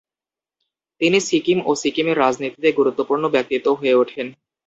তিনি সিকিম ও সিকিমের রাজনীতিতে গুরুত্বপূর্ণ ব্যক্তিত্ব হয়ে ওঠেন।